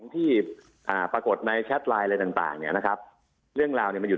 ที่ปรากฏในแชทไลน์อะไรต่างเนี่ยนะครับเรื่องราวเนี่ยมันอยู่